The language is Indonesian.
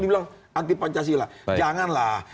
dibilang anti pancasila janganlah